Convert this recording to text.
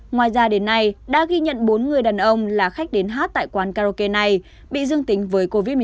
ngoài ra đến nay đã ghi nhận bốn người đàn ông là khách đến hát tại quán karaoke này bị dương tính với covid một mươi chín